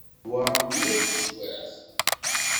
Tewɛer mliḥ teswiɛt.